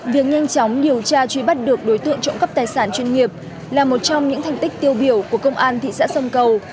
việc nhanh chóng điều tra truy bắt được đối tượng trộm cắp tài sản chuyên nghiệp là một trong những thành tích tiêu biểu của công an thị xã sông cầu